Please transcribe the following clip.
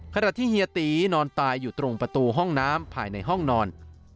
ขณะที่เฮียตีนอนตายอยู่ตรงประตูห้องน้ำภายในห้องนอน